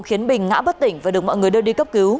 khiến bình ngã bất tỉnh và được mọi người đưa đi cấp cứu